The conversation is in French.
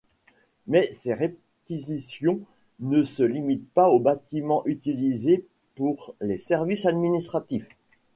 Mais ces réquisitions ne se limitent pas aux bâtiments utilisés pour les services administratifs.